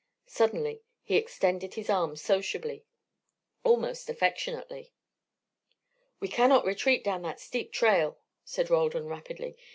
Suddenly he extended his arms sociably, almost affectionately. "We cannot retreat down that steep trail," said Roldan, rapidly.